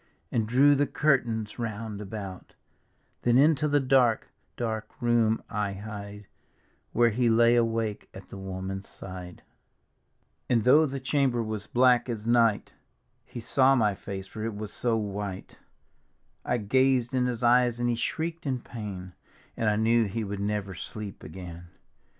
And drew the curtains round about; Then into the dark, dark room I hied Where he lay awake at the woman's side, D,gt,, erihyGOOgle 196 Tht Haunted Hour And though the cbainber was black as night, He saw my face, for it was so white; I gazed in his eyes, and he shrieked in pain, And I knew he would never sleep again.